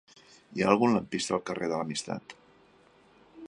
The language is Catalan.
Hi ha algun lampista al carrer de l'Amistat?